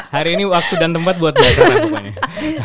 hari ini waktu dan tempat buat bebasan pokoknya